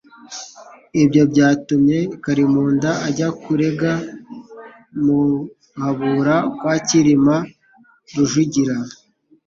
Ibyo byatumye Kalimunda ajya kurega Muhabura kwa Cyilima Rujugira,